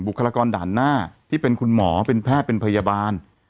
คลากรด่านหน้าที่เป็นคุณหมอเป็นแพทย์เป็นพยาบาล